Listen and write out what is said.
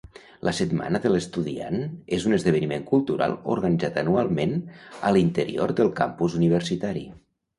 La Setmana de l'Estudiant, és un esdeveniment cultural organitzat anualment a l'interior del campus universitari.